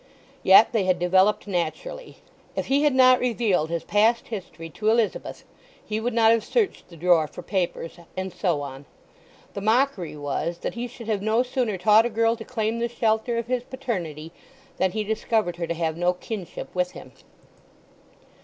Yet they had developed naturally. If he had not revealed his past history to Elizabeth he would not have searched the drawer for papers, and so on. The mockery was, that he should have no sooner taught a girl to claim the shelter of his paternity than he discovered her to have no kinship with him.